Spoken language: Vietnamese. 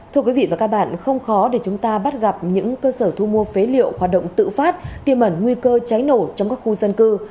thưa quý vị và các bạn không khó để chúng ta bắt gặp những cơ sở thu mua phế liệu hoạt động tự phát tiêm ẩn nguy cơ cháy nổ trong các khu dân cư